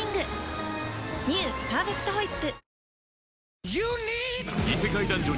「パーフェクトホイップ」